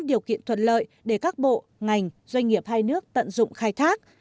điều kiện thuận lợi để các bộ ngành doanh nghiệp hai nước tận dụng khai thác